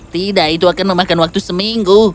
tidak itu akan memakan waktu seminggu